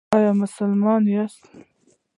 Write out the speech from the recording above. ایا ته مسلمان یې ؟